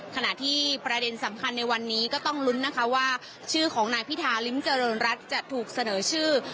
ขณะที่ประเด็นสำคัญในวันนี้ก็ต้องลุ้นนะคะว่าชื่อของนายพิธาริมเจริญรัฐจะถูกเสนอชื่อ